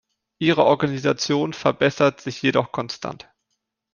Ihre Organisation verbessert sich jedoch konstant.